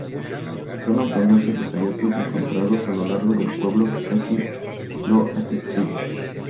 Son abundantes los hallazgos encontrados a lo largo del pueblo que así lo atestiguan.